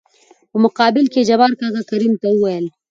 په مقابل کې يې جبار کاکا کريم ته وويل :